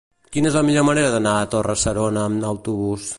Quina és la millor manera d'anar a Torre-serona amb autobús?